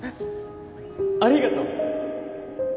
ありがとう